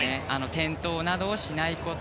転倒などをしないこと。